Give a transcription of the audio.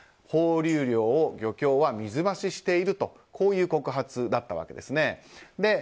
放流量を漁協は水増ししているとこういう告発だったわけですね。